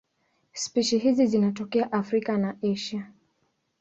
Spishi hizi zinatokea Afrika na Asia.